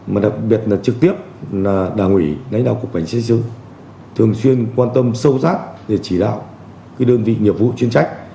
mà đặc biệt là trực tiếp là đảng ủy lãnh đạo cục cảnh xây dựng thường xuyên quan tâm sâu sắc để chỉ đạo đơn vị nhiệm vụ chuyên trách